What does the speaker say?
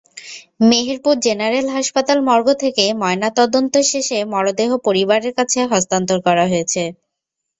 Meherpur general হাসপাতাল morgue থেকে ময়নাতদন্ত শেষে মরদেহ পরিবারের কাছে হস্তান্তর করা হয়েছে।